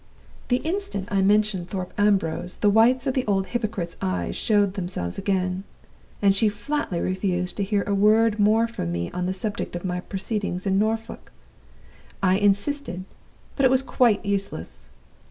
"The instant I mentioned 'Thorpe Ambrose,' the whites of the old hypocrite's eyes showed themselves again, and she flatly refused to hear a word more from me on the subject of my proceedings in Norfolk. I insisted; but it was quite useless.